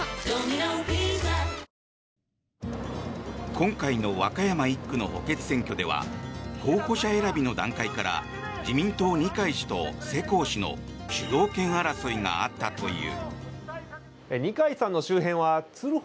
今回の和歌山１区の補欠選挙では候補者選びの段階から自民党、二階氏と世耕氏の主導権争いがあったという。